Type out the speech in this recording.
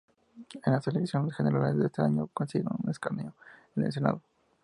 En las elecciones generales de ese año, consigue un escaño en el Senado.